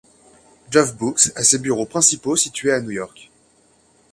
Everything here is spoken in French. Jove Books a ses bureaux principaux situés à New York.